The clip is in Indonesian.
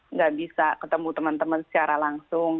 nggak bisa ketemu teman teman secara langsung